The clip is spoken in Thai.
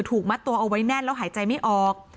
ถูกมัดตัวเอาไว้แน่นแล้วหายใจไม่ออก